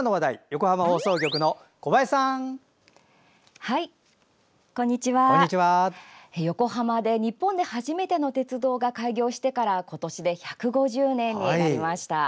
横浜で、日本で初めての鉄道が開業してから今年で１５０年になりました。